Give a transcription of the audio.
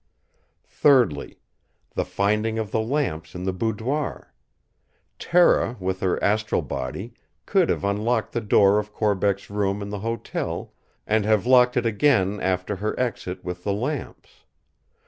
Thirdly: the finding of the lamps in the boudoir. Tera with her astral body could have unlocked the door of Corbeck's room in the hotel, and have locked it again after her exit with the lamps.